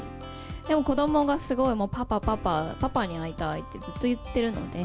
でも子どもがすごいもう、パパ、パパ、パパに会いたいってずっと言ってるので。